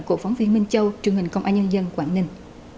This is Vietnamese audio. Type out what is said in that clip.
của phóng viên minh châu truyền hình công an nhân dân quảng ninh